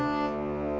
tidak ada artinya